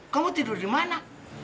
kamu tidur dimana